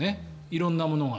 色んなものが。